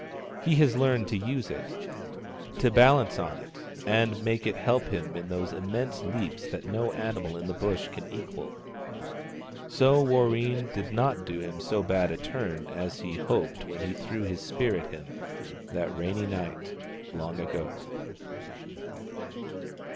He has learned MIRRAN AND VVARREEN 159 to use it — to balance on it and make it help him in those immense leaps that no animal in the Bush can equal. So Warreen did not do him so bad a turn as he hoped when he threw his spear at him that rainy night long ago.